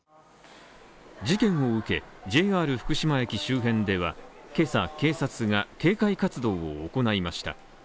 事件を受け、ＪＲ福島駅周辺では、けさ、警察が警戒活動を行いました。